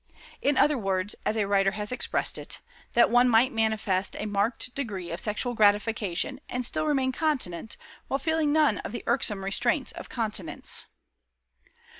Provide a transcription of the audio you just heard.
In other words, as a writer has expressed it, "that one might manifest a marked degree of sexual gratification and still remain continent, while feeling none of the irksome restraints of continence."